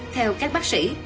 theo các bác sĩ